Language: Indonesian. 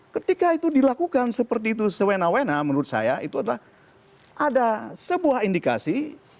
ketika itu dilakukan seperti itu sewena wena menurut saya itu adalah ada sebuah indikasi